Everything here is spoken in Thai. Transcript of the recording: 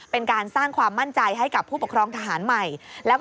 เป็นการสร้างความมั่นใจให้กับผู้ปกครองทหารใหม่